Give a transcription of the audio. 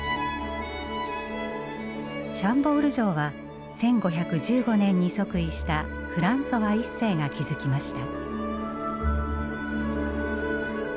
シャンボール城は１５１５年に即位したフランソワ一世が築きました。